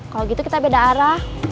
kalau gitu kita beda arah